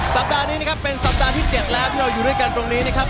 สัปดาห์นี้นะครับเป็นสัปดาห์ที่๗แล้วที่เราอยู่ด้วยกันตรงนี้นะครับ